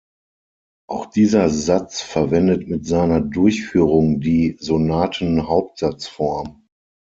Auch dieser Satz verwendet mit seiner Durchführung die Sonatenhauptsatzform.